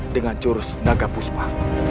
dengan jurus naga puspa